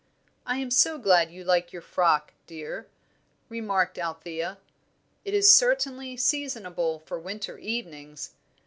"I am so glad you like your frock, dear," remarked Althea; "it is certainly seasonable for winter evenings.